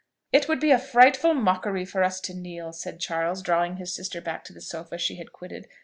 "It would be a frightful mockery for us to kneel!" said Charles, drawing his sister back to the sofa she had quitted.